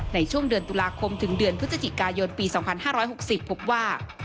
ในช่วงเดือนตุลาคมถึงเดือนพฤศจิกายนปี๒๕๖๐พบว่า